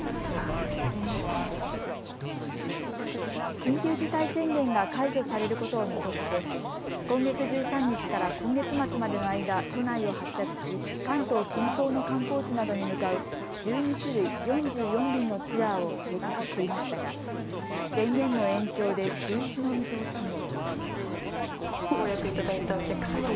緊急事態宣言が解除されることを見越して今月１３日から今月末までの間、都内を発着し、関東近郊の観光地などに向かう１２種類、４４便のツアーを計画していましたが宣言の延長で中止の見通しに。